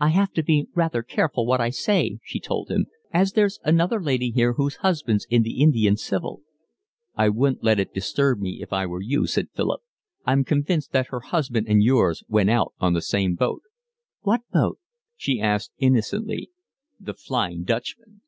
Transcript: "I have to be rather careful what I say," she told him, "as there's another lady here whose husband's in the Indian Civil." "I wouldn't let that disturb me if I were you," said Philip. "I'm convinced that her husband and yours went out on the same boat." "What boat?" she asked innocently. "The Flying Dutchman."